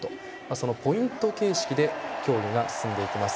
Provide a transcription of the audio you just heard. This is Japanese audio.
そのポイント形式で競技が進んでいきます。